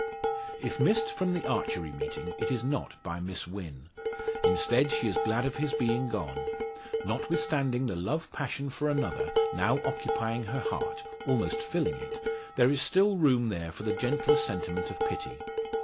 If missed from the archery meeting, it is not by Miss Wynn. Instead, she is glad of his being gone. Notwithstanding the love passion for another now occupying her heart almost filling it there is still room there for the gentler sentiment of pity.